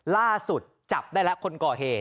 ล่าสุดจับได้แล้วคนก่อเหตุ